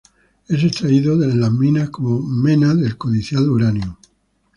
Es extraído en las minas como mena del codiciado uranio.